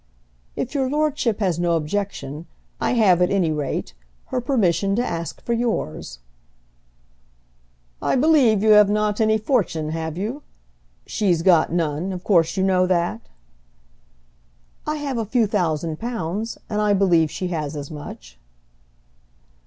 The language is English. "If your lordship has no objection. I have, at any rate, her permission to ask for yours." "I believe you have not any fortune, have you? She's got none; of course you know that?" "I have a few thousand pounds, and I believe she has as much."